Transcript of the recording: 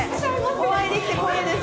お会いできて光栄です。